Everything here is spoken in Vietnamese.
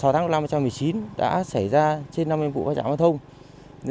sáu tháng năm hai nghìn một mươi chín đã xảy ra trên năm mươi vụ va chạm giao thông